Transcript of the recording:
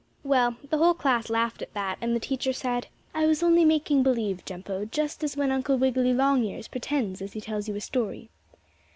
Well, the whole class laughed at that, and the teacher said: "I was only making believe, Jumpo, just as when Uncle Wiggily Longears pretends as he tells you a story.